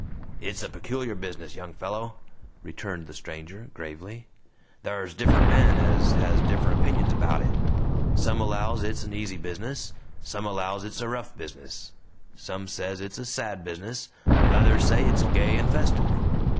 "It's a peculiar business, young fellow," returned the stranger, gravely. "Thar's different men ez has different opinions about it. Some allows it's an easy business, some allows it's a rough business; some says it's a sad business, others says it's gay and festive.